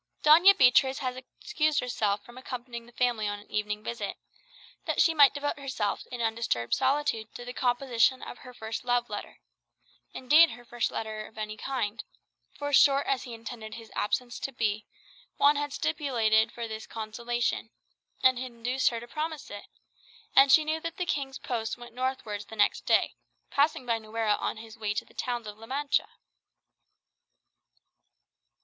Doña Beatriz had excused herself from accompanying the family on an evening visit, that she might devote herself in undisturbed solitude to the composition of her first love letter indeed, her first letter of any kind: for short as he intended his absence to be, Juan had stipulated for this consolation, and induced her to premise it; and she knew that the King's post went northwards the next day, passing by Nuera on his way to the towns of La Mancha.